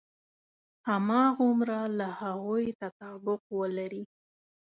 هماغومره له هغوی تطابق ولري.